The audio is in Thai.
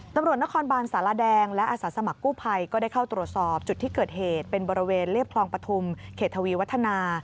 ตำรวจนครบานสารแดงและอาสาสมัครกู้ภัยก็ได้เข้าตรวจสอบจุดที่เกิดเหตุเป็นบริเวณเรียบคลองปฐุมเขตทวีวัฒนา